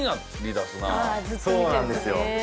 そうなんですよ。